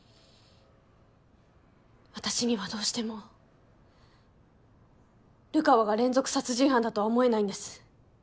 私にはどうしても流川が連続殺人犯だとは思えないんです。